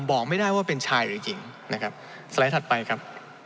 บอกไม่ได้ว่าเป็นชายหรือจริงนะครับสไลด์ถัดไปครับ